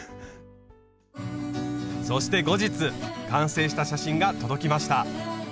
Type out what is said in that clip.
そして後日完成した写真が届きました。